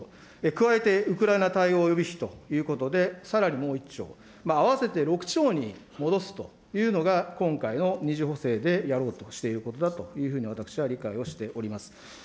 加えてウクライナ対応予備費ということで、さらにもう１兆、合わせて６兆に戻すというのが、今回の２次補正でやろうとしていることだと私は理解をしております。